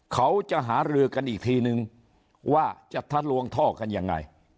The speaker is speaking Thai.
เขาจะหารือกันอีกทีนึงว่าจะทะลวงท่อกันยังไง